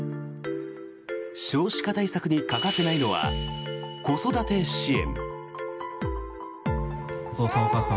少子化対策に欠かせないのは子育て支援。